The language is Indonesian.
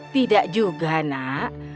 tidak juga nak